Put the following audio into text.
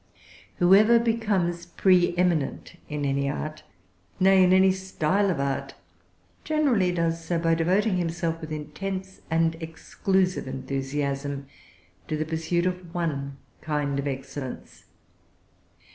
Whoever becomes preëminent in any art, nay, in any style of art, generally does so by devoting himself with intense and exclusive enthusiasm to the pursuit of one kind of excellence.